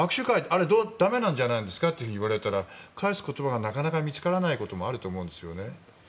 あれ駄目なんじゃないですかって言われたら返す言葉がなかなか見つからないこともあると思うんですよね。